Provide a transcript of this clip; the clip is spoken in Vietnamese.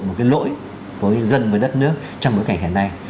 một cái lỗi với dân với đất nước trong bối cảnh hiện nay